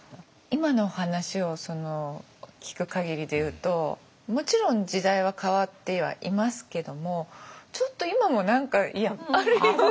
今の話を聞く限りで言うともちろん時代は変わってはいますけどもちょっと今も何かあるように。